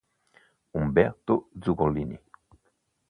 Umberto Zurlini